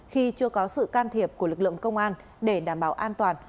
khi chưa có sự can thiệp của lực lượng công an để đảm bảo an toàn